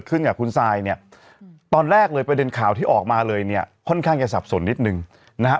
กับคุณซายเนี่ยตอนแรกเลยประเด็นข่าวที่ออกมาเลยเนี่ยค่อนข้างจะสับสนนิดนึงนะฮะ